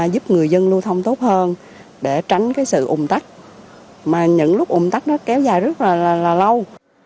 giúp người dân lưu thông tốt hơn để tránh cái sự ùm tắt mà những lúc ùm tắt nó kéo dài rất là lâu